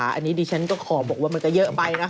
อันนี้ดิฉันก็ขอบอกว่ามันก็เยอะไปนะคะ